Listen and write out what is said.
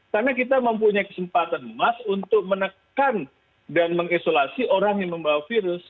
karena kita mempunyai kesempatan mas untuk menekan dan mengisolasi orang yang membawa virus